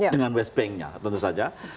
dengan west bank nya tentu saja